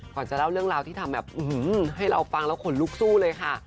จะเล่าเรื่องราวที่ทำแบบให้เราฟังแล้วขนลุกสู้เลยค่ะ